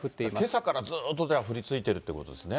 けさからずーっと、じゃあ降り続いてるっていうことですね。